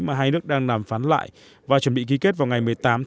mà hai nước đang làm phán lại và chuẩn bị ký kết vào ngày một mươi tám